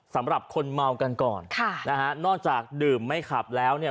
สำหรับคนเมากันก่อนค่ะนะฮะนอกจากดื่มไม่ขับแล้วเนี่ย